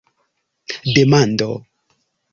demando